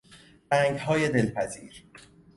رنگهای دلپذیر